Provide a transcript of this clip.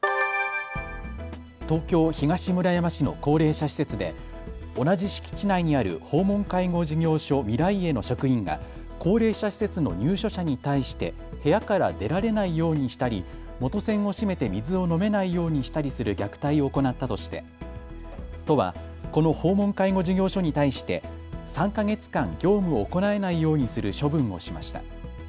東京東村山市の高齢者施設で同じ敷地内にある訪問介護事業所ミライエの職員が高齢者施設の入所者に対して部屋から出られないようにしたり元栓を閉めて水を飲めないようにしたりする虐待を行ったとして都はこの訪問介護事業所に対して３か月間、業務を行えないようにする処分をしました。